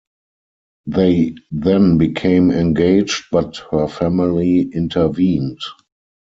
They then became engaged but her family intervened.